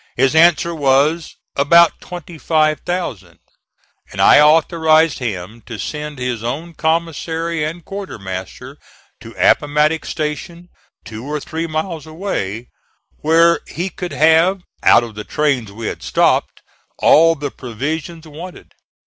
His answer was "about twenty five thousand;" and I authorized him to send his own commissary and quartermaster to Appomattox Station, two or three miles away, where he could have, out of the trains we had stopped, all the provisions wanted.